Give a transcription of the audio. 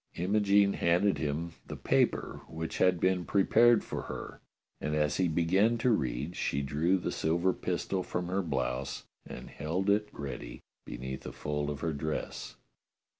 Imogene handed him the paper which had been prepared for her, and as he began to read she drew the silver pistol from her blouse and held it ready beneath a fold of her dress.